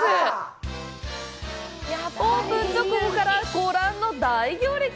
オープン直後から、ご覧の大行列！